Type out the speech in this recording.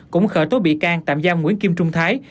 cũng khởi tố bị can tạm giam nguyễn kim trung thái